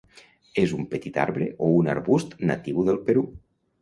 És un petit arbre o un arbust natiu del Perú.